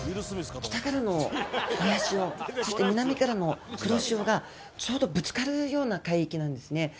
北からの親潮、そして南からの黒潮が、ちょうどぶつかるような海域なんですね。